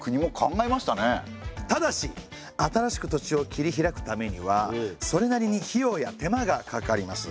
ただし新しく土地を切り開くためにはそれなりに費用や手間がかかります。